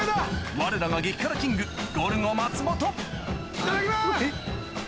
われらが激辛キングゴルゴ松本いただきます！